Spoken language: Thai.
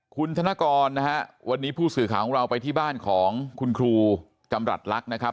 คุณธนกรนะฮะวันนี้ผู้สื่อข่าวของเราไปที่บ้านของคุณครูจำรัฐลักษณ์นะครับ